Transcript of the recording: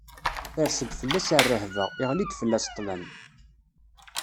Ters-d fell-as rrehba, iɣli-d fell-as ṭṭlam.